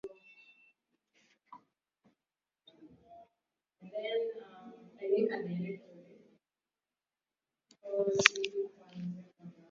Tangu mkuu wa jeshi Abdel Fattah al-Burhan kuongoza mapinduzi ya Oktoba mwaka wa elfu mbili ishirini na moja.